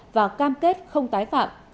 và cam kết không tái phạm